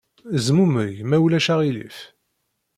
Zmumeg, ma ulac aɣilif.